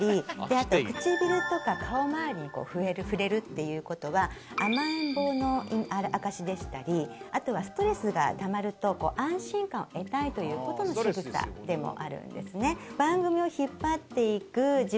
あと唇とか顔周りに触れるっていう事は甘えん坊の証しでしたりあとはストレスがたまると安心感を得たいという事の仕草でもあるんですね。